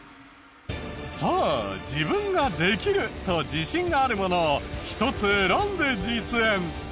さあ自分が「できる！」と自信があるものを１つ選んで実演。